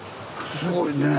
すごいねえ。